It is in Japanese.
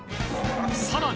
さらに！